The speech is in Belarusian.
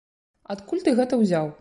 Адкуль ты гэта ўзяў?